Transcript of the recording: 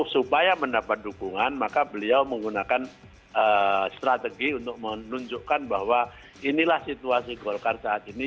supaya mendapat dukungan maka beliau menggunakan strategi untuk menunjukkan bahwa inilah situasi golkar saat ini